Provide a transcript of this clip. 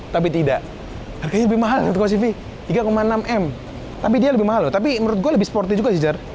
tapi tidak harganya lebih mahal cv tiga enam m tapi dia lebih mahal loh tapi menurut gue lebih sporty juga siher